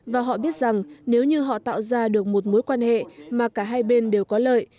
và họ biết rằng nếu như họ tạo ra được một mối quan hệ mà cả hai bên đều có lợi